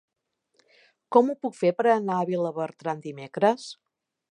Com ho puc fer per anar a Vilabertran dimecres?